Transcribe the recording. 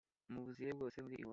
mubuzire bwose muri iwanyu